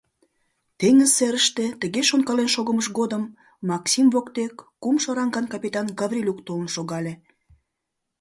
Теҥыз серыште тыге шонкален шогымыж годым Максим воктек кумшо ранган капитан Гаврилюк толын шогале.